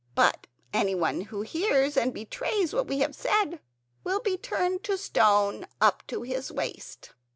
But anyone who hears and betrays what we have said will be turned to stone up to his waist."